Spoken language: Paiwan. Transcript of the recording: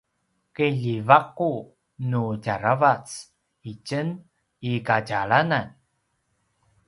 kiljivaku nu djaravac itjen i kadjalanan